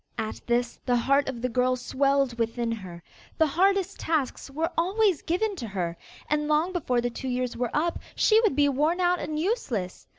At this, the heart of the girl swelled within her. The hardest tasks were always given to her, and long before the two years were up, she would be worn out and useless.